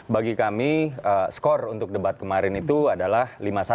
bagi kami skor untuk debat kemarin itu adalah lima satu